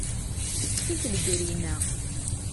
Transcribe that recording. Teṭṭef-it legrina.